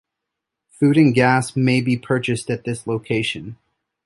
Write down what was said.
Food and gas may be purchased at this location.